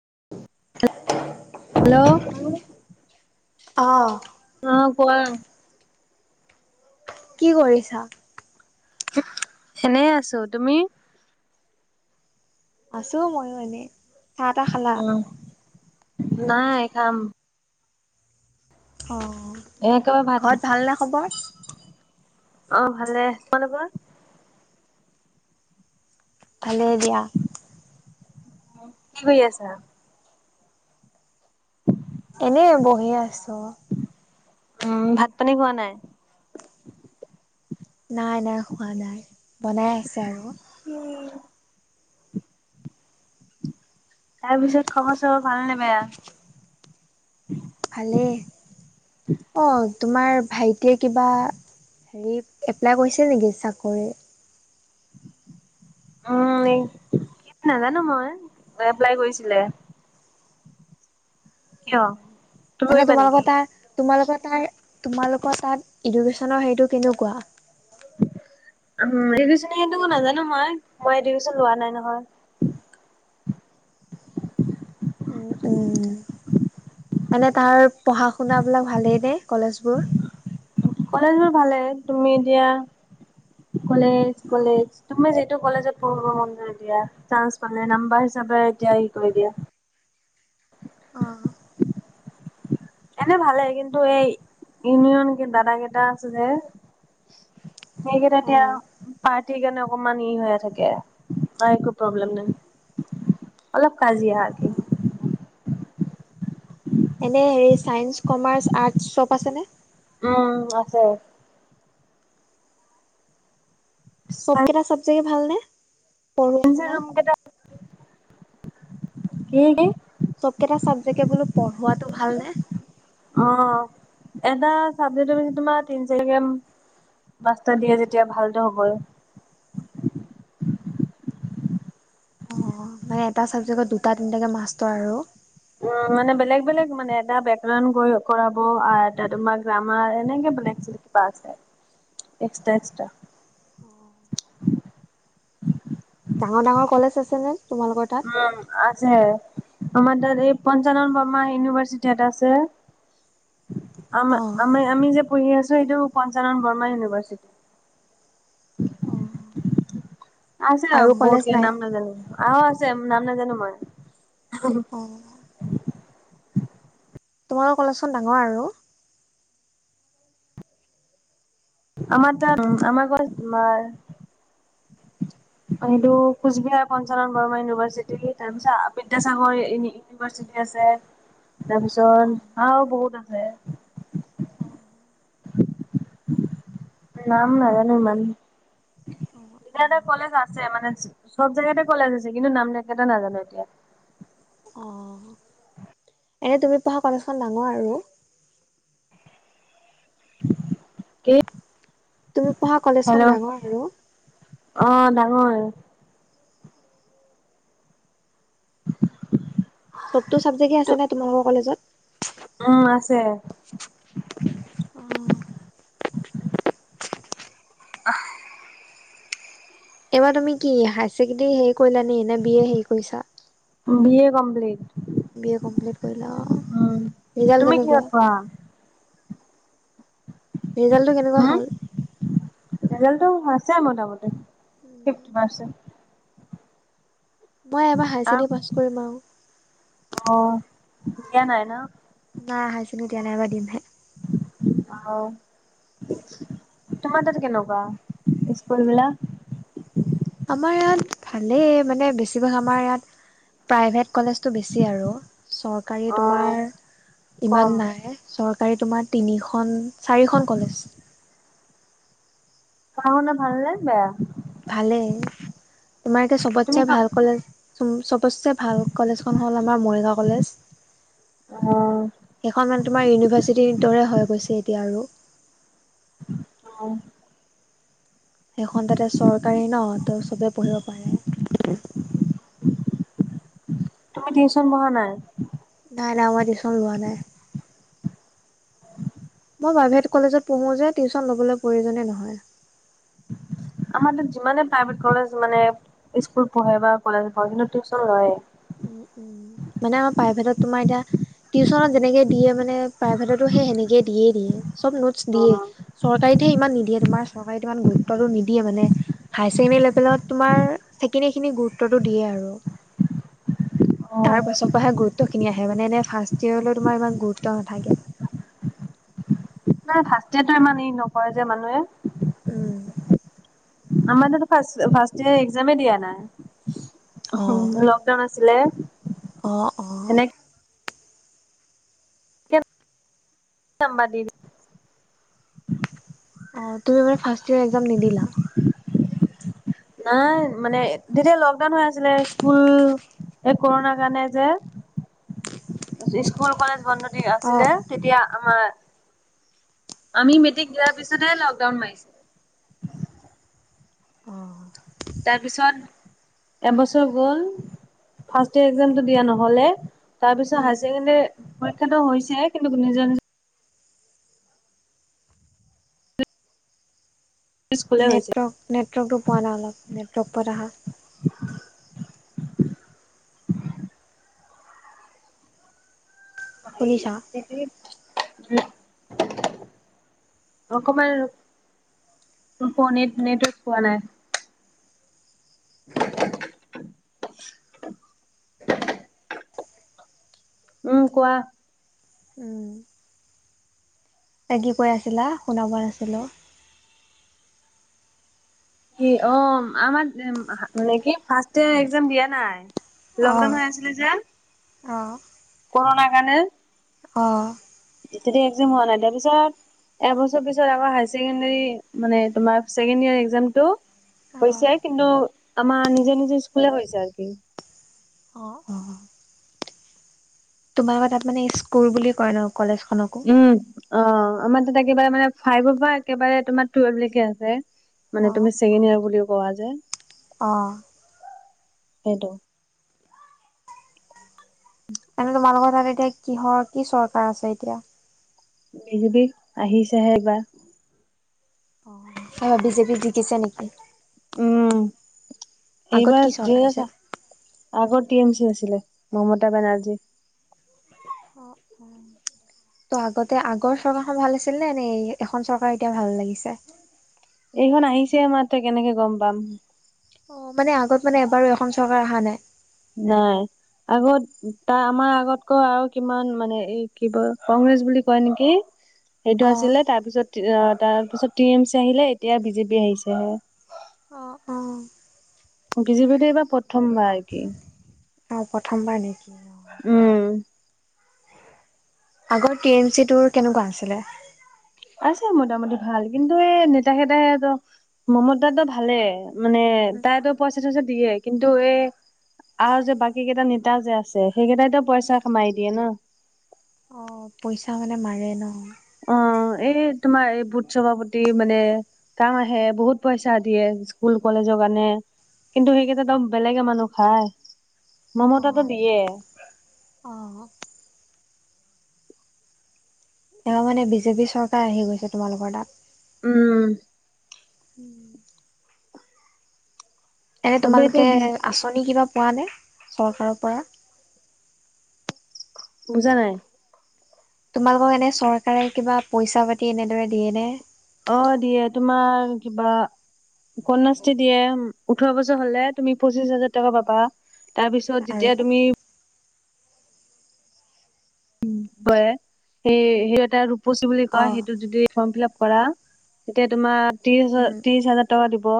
[unintelligible] Hello অ অ কোৱা। কি কৰিছা? এনেই আছো তুমি? আছো মইয়ো এনেই। চাহ তাহ খালা? উম, নাই খাম। অঁ এ একেবাৰে ভাত খাম। ঘৰত ভালনে খবৰ? অ ভালে তোমালোকৰ? ভালেই দিয়া। কি কৰি আছা? এনেই বহি আছো। উম ভাত পানী খোৱা নাই? নাই নাই হোৱা নাই বনাই আছে আৰু। তাৰপিছত খবৰ চবৰ ভাল নে বেয়া? ভালেই অ। তোমাৰ ভাইটিয়ে কিবা হেৰি এপ্লাই কৰিছে নেকি চাকৰি উম কি নাজানো মই এপ্লাই কৰিছিলে [unintelligible] কিয় তুমি এনে কৰিবা নেকি? তোমালোকৰ তাত তোমালোকৰ তাৰ তোমালোকৰ তাত এডুকেচনৰ হেইটো কেনেকুৱা [unintelligible] এডেশন নাজানো মই মই এডেশন লোৱা নাই নহয় [unintelligible] উম, উম। মানে তাৰ পঢ়া শুনা বিলাক ভালেই নে কলেজবোৰ কলেজ বোৰ ভালে তুমি এতিয়া কলেজ কলেজ তুমি যিটো কলেজত পঢ়িব মন যায় দিয়া চান্স পালে নাম্বাৰ হিচাপে এতিয়া হে কৰি দিয়া [unintelligible] [inaudible] এনে ভালেই কিন্তু এই ইউনিয়ন দাদা কেইটা আছে যে সেইকেইটায়া অ', পাৰ্টিৰ কাৰণে অকমান ই হৈ থাকে ত একো প্ৰব্লেম নাই অলপ কাজিয়া অ', [unintelligible] অ'। এনে অ চাইনছ কমাছ আটচ চব আছেনে [unintelligible] অহ আছে চবকটা চব [unintelligible] চাগে ভালনে পৰ শুনা [unintelligible] হেকি [unintelligible] চবকেইটা চাবজেকে বোলো পঢ়োৱাটো ভাল নে অ এটা চাবজে্ প তোমাৰ তিন চাৰি গ্ৰাম পাঁচটা দিয়ে যেতিয়া ভালটো হয় অ', মানে এটা চাবজেক্টত দুটা তিনটাকে মাষ্টৰ আৰু উ মানে বেলেগ বেলেগ মানে এটা বেলেগ কৰাব আৰু এটা তোমাৰ গ্ৰামাৰ এনেকে বেলেগ কিবা আছে এক্সটা এক্সটা [unintelligible] ডাঙৰ ডাঙৰ কলেজ আছে নে উম আছে আমাৰ তাত এই পঞ্চানন ব্মা ইউনিভাৰ্চিটি এটা আছে [unintelligible] আম অ', আমাৰ আমি যে পঢ়ি আছোঁ এইটো পঞ্চানন বৰ্মা অ', ইউনিভাৰ্চিটি আছে আৰু কলেজ বত কে নাই? নাম নাজানো অহ আছে [unintelligible] নাম নাজানো মই অ তোমালোকৰ কলেজখন ডাঙৰ আৰু আমাৰ ত আমাৰ গছ তোমাৰ এইটো কোচবিহাৰ পঞ্চনন বৰ্মা ইউনিভাৰ্চিটি তাৰ পিছত আদ্যাসাগৰ ইউ ইউনিভাৰ্চিটি আছে [unintelligible] অ', তাৰপিছত অহ বহুত [inaudible] অ', নাম নাজানো ইমান অ', এয়া এটা অ', কলেজ আছে মানে চব জেগাতে কলেজ আছে কিন্তু নামকাটা নাজানো এতিয়া [unintelligible] অ'। এনে তুমি পঢ়া কলেজখন ডাঙৰ আৰু কে [unintelligible] তুমি পঢ়া কলেজখন ডাঙৰ আৰু অ ডাঙৰ [inaudible] চবটো চাবজেক্টে আছে ন তোমালোকৰ কলেজত [unintelligible] উম আছে অ [inaudible] অহ এইবাৰ তুমি কি হাই চকেণ্ডাৰী হেৰি কৰিলা নে বি এ হেৰি কৰিছা? B A complete B- A complete কৰিলা অ' উম ৰিজাল্ট তুমি কেনেকুৱা? কিহত পঢ়া ৰিজাল্টটো কেনেকুৱা হ হ'ল? ' ৰিজাল্টটো হৈছে আও মোটামুটি ফিফটি পাৰ্চেন্ত। মই এবাৰ হায়াৰ ছেকেণ্ডেৰী পাছ অ কৰিম আৰু দিয়া নাই ন? নাই হাইছেকেন্দেৰি দিয়া নাই এইবাৰ দিমহে। অ' তোমাৰ তাত কেনেকুৱা স্কুল বিলাক? আমাৰ ইয়াত ভালেই মানে বেছিভাগ আমাৰ ইয়াত প্ৰাইভেট। কলেজ টো বেছি আৰু চৰকাৰী অ তোমাৰ কম ইমান নাই। তোমাৰ তিনিখন চাৰিখন কলেজ। পঢ়া শুনা ভাল নে বেয়া? ভালেই তোমাৰ এতিয়া তুমি চবতছে ক ভাল কলেজ চবতছে ভাল কলেজখন হ'ল আমাৰ মৰিগাঁও কলেজ। অ সেইখন মানে তোমাৰ ইউনিভাৰ্চিটিৰ দৰে হৈ গৈছে। এতিয়া আৰু। অ ' সেইখন তাতে চৰকাৰী ন ত চবে পঢ়িব পাৰে। তুমি টিউচন বহা নাই। নাই নাই মই টিউশন লোৱা নাই। প্ৰাইভেট কলেজত পঢ়ো যে টিউশচন লবলৈ প্ৰয়োজনে নহয়। আমাৰ তাত যিমানে প্ৰাইভেট কলেজ মানে স্কুল পঢ়ে বা কলেজ পঢ়ে কিন্তু টিউচন লয়ে। উ, উম মানে আমাৰ প্ৰাইভেটত তোমাৰ এতিয়া টিউচনত যেনেকে দিয়ে মানে প্ৰাইভেটতো সেই সেনেকে দিয়ে দিয়ে। চব নোটছ অ দিয়ে চৰকাৰী ইমান নিদিয়ে তোমাৰ চৰকাৰে ইমান গুৰুত্বটো নিদিয়ে মানে হাই ছেকেণ্ডৰী লেভেলত তোমাৰ সেইখিনিখিনি গুৰুত্বটো দিয়ে আৰু অ' তাৰ পাছৰ পৰাহে গুৰুত্ব গুৰুত্ব খিনি আহে মানে এনে ফাৰ্ষট ইয়েৰলৈ তোমাৰ ইমান গুৰুত্ব নাথাকে। ন ফাষ্টিয়েৰ টো ইমান এই নকয় যে মানুহে উম, আমাৰ তাটো ফাৰ্ষ্টইয়েৰ একজামে দিয়া অ'। নাই। লকডাউন আছিলে। অ- অ সেনেকে [inaudible] তুমি মানে ফাৰ্ষ্ট ইয়াৰ একজাম নিদিলা? নাই মানে তেতিয়া লকডাউন হৈ আছিলে, স্কুল এই কৰোণাৰ কাৰণে যে স্কুল কলেজ বন্ধ। আছিলে অ'। তেতিয়া। আমাৰ, আমি মেট্ৰিক দিয়াৰ পিছতহে লকডাউন মাৰিছে। অ', তাৰপিছত এবছৰ গল ফাৰ্ষ্ট ইয়েৰ একজামটো দিয়া নহলে তাৰপিছত উম, হাইছেকেন্দেৰি পৰীক্ষাটো হৈছে কিন্তু নিজৰ নিজ স্কুলে হৈছে। নেটৱৰ্ক নেটৱৰ্কটো পোৱা নাই অলপ নেটৱৰ্ক পোৱাত আহা। হাৰি শুনিছা? সেইটোৱেই [unintelligible] [unintelligible] অকমান ফনীট নেটৱৰ্ক পোৱা নাই। [inaudible] উম কোৱা। তে কি কৈ আছিলা শুনা পোৱা নাছিলো। অ আমাৰ মানে কি ফাৰ্ষ্ট ইয়েৰ এস্কজাম দিয়া নাই। অ'। লকডাউন হৈ আছিলে যে। কৰনাই মানে? অঁ। তেতিয়া একজাম হোৱা নাই তাৰ পিছত এবছৰ পিছত আকৌ হাই ছেকেণ্ডাৰী মানে তোমাৰ ছেকেনিয়েৰ একজামটো অ'। হৈছে কিন্তু আমাৰ নিজে নিজে স্কুলতে হৈছে। অ', অ', তোমালোকৰ তাত মানে স্কুল বুলি কয় ন? কলেজখনকো? অ আমাৰ তাতে একেবাৰে মানে ফাইভৰ পৰা একেবাৰে তোমাৰ টুৱেল্ভ লেকে আছে, মানে তুমি ছেকেণ্ড ইয়েৰ বুলি কোৱা যে। অহ। সেইটো। এনে তোমালোকৰ তাত এতিয়া কিহৰ কি চৰকাৰ আছে এতিয়া? বি জে পি, আহিছেহে এইবাৰ। অ বিজেপি জিকিছে নেকি? উম। আগত এইবাৰ কি চৰকাৰ জিয়ে ছা আছিল? আগৰ টি এম চি আছিলে, মমতা বেনাৰ্জী। ত' আগতে আগৰ চৰকাৰখন ভাল আছিল নে? নে এখন চৰকাৰ এতিয়া ভাল লাগিছে? এইখন আহিছে হে মাত্ৰ কেনেকে গম পাম? অ মানে আগত মানে এবাৰো এখন চৰকাৰ অহা নাই? নাই। আগত তাৰ আমাৰ আগতকৈ আৰু কিমান মানে এই কি ক কংগ্ৰেছ বুলি কয় নেকি সেইটো অ'। আছিলে তাৰপিছত তাৰ পিছত টি এম চি আহিলে এতিয়া বিজেপি আহিছে হে। অ' অ' বিজেপি তো এইবাৰ প্ৰথমবাৰ আৰ কি। অ প্ৰথমবাৰ নেকি? অ' উম। আগৰ টি এম চি তোৰ কেনেকুৱা আছিলে? আছে মোটামুটি ভাল কিন্তু এই নেতা কেইটাইতো মমতাটো ভালে মানে তাইতো পইচা চইচা দিয়ে কিন্তু এই আৰু যে বাকী কেইটা নেতা যে আছে সেইকেইটাইতো পইচা কামাই দিয়ে ন। অ পইচা মানে মাৰে ন? অ, এই তোমাৰ এই বুটসৱ। মানে, কাম আহে বহুত পইচা দিয়ে স্কুল কলেজৰ কাৰণে, কিন্তু সেইকেইটা তম বেলেগে মানুহ খায় মমতটো অ' দিয়ে। অ'। এইবাৰ মানে বিজেপি চৰকাৰ আহি গৈছে তোমালোকৰ তাত। উম। [unintelligible] এনে চবে এতিয়া তোমালোকে বি আঁচনি কিবা। পোৱা নে চৰকাৰৰ পৰা? বুজা নাই। তোমালোকক এনে চৰকাৰে কিবা পইচা পাতি এনেদৰে দিয়ে নে? অ, দিয়ে তোমাৰ কিবা ক্যাসি দিয়ে ওঠৰ বছৰ হলে তুমি পঁচিশ হাজাৰ টকা পাবা। তাৰপিছত আৰু যেতিয়া তুমি। [unintelligible] বুলি কয় অ' সেইটো যদি ফৰ্ম ফিলাপ। কৰা তেতিয়া তোমাৰ। ত্ৰিশ হাজাৰ, উম ত্ৰিশ হাজাৰ টকা দিব।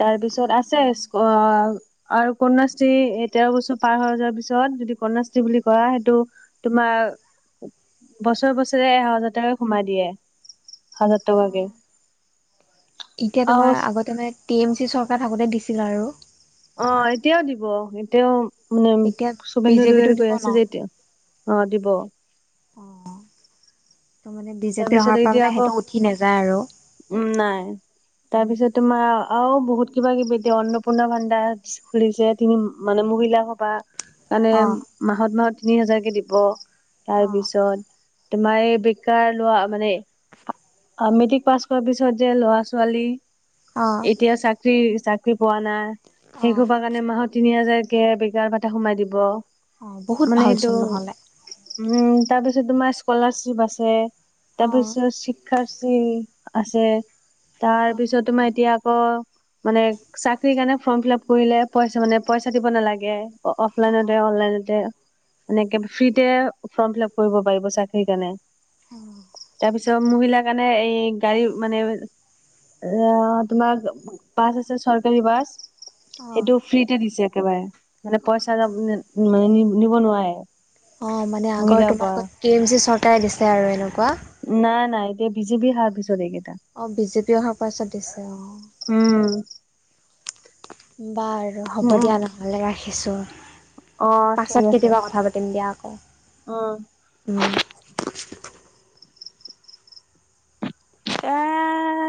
তাৰপিছত অ' আছে অ' অহ। আৰু কন্যাশ্ৰী এ তেৰ বছৰ পাৰ হৈ যোৱাৰ পিছত যদি কন্যাশ্ৰী বুলি কোৱা সেইটো। তোমাৰ বছৰে বছৰে এ হাজাৰ টকা সোমাই দিয়ে, হাজাৰ অ'। টকাকে। এতিয়া আৰু তোমাৰ আগতে মানে টি এম চি চৰকাৰ। থাকোতে দিছিল আৰু। অ, এতিয়াও দিব এতিয়াও। মানে এতিয়া শুভেন্দ্ৰ বিজেপিটো অধিকাৰীয়ে দিব কৈ ন আছে যে এতিয়া, অ দিব। [unintelligible] অঁ। তাৰপিছত এতিয়া আকৌ, নাযায় আৰু উম নাই উম তাৰপিছত তোমাৰ আৰু। বহুত কিবা কিবি এতিয়া, অন্নপূৰ্ণা ভাণ্ডা খুলিছে তিনি মানে মহিলা সভা। কাৰণে অ মাহত মাহত। তিনি হাজাৰকে দিব। তাৰ অ পিছত। তোমাৰ এ। তাৰ লোৱা মানে মেট্ৰিক পাছ কৰাৰ পিছত যে, ল'ৰা ছোৱালী। অ এতিয়া চাকৰি। চাকৰি পোৱা নাই। অ শেই হব কাৰণে মাহত তিনি হাজাৰ। তাকে বেকাৰ ভাটা সোমাই দিব। [unintelligible] অ, বহুত মানে সেইটো ভালচোন নহলে। উম তাৰ পিছত তোমাৰ স্কলাৰশিপ আছে। [unintelligible] অ তাৰপিছত শিক্ষাৰ চি আছে। তাৰ অ অ পিছত অ তোমাৰ এতিয়া আকৌ, মানে চাকৰি কাৰণে ফৰ্ম-ফিলাপ কৰিলে পইচা মানে, পইচা দিব নালাগে। অফলাইনতে-অনলাইনতে। এনেকে ফ্ৰীতে ফৰ্ম -ফিল-আপ কৰিব পাৰিব চাকৰিৰ কাৰণে। তাৰপিছত মহিলাৰ কাৰণে এই, গাড়ী মানে অ', তোমাৰ বাছ আছে চৰকাৰী বাছ। অ অ অ সেইটো ফ্ৰীতে দিছে, একেবাৰে, মানে পইচা দ মানে, শুনিব নোৱাৰে, অ', মানে আগৰ মহিলাৰ পৰা তোমালোকৰ কে- এম- চি চৰকাৰে দিছে। আছে আৰু এনেকুৱা, নাই-নাই এতিয়া বিজেপি হাতৰ পিচত এইকেইটা, অ ', বিজেপি অহাৰ পাছত দিছে অ', উম', বাৰু হ'ব উম উম দিয়া নহ'লে ৰাখি, দিছোঁ, অ ঠিক পাছত আছে কেতিয়াবা কথা পাতিম দিয়া, আকৌ উম উম্ ', এ',